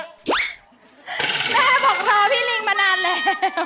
แม่บอกรอพี่ลิงมานานเลย